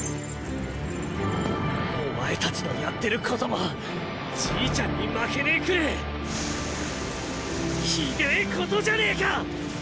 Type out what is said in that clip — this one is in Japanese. お前たちのやってることもじいちゃんに負けねえくれぇひでぇことじゃねえか！